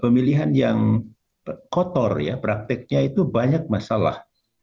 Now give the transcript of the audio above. pemilihan yang kotor ya prakteknya itu banyak masalah